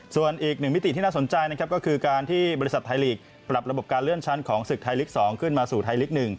ส่วนอีกหนึ่งมิติที่น่าสนใจนะครับก็คือการที่บริษัทไทยลีกปรับระบบการเลื่อนชั้นของศึกไทยลีก๒ขึ้นมาสู่ไทยลีก๑